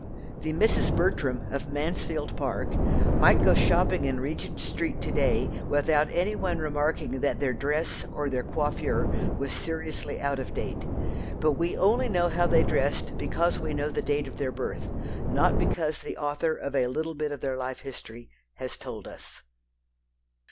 The Misses Bertram, of Mansfield Park, might go shopping in Regent Street to day without any one remarking that their dress, or their coiffure, was seriously out of date. But we only know how they dressed because we know the date of their birth, not because the author of a bit of their life history has told us.